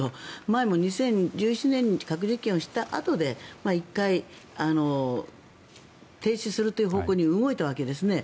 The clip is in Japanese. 前も２０１７年に核実験をしたあとで１回、停止するという方向に動いたわけですね。